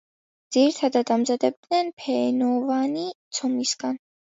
ძირითადად ამზადებენ ფენოვანი ცომისგან.